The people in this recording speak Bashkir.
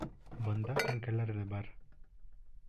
Бында тәңкәләр ҙә бар!